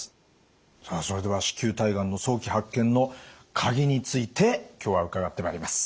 さあそれでは子宮体がんの早期発見のカギについて今日は伺ってまいります。